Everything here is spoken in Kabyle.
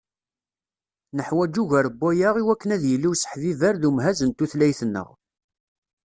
Neḥwaǧ ugar n waya iwakken ad d-yili useḥbiber d umhaz n tutlayt-nneɣ.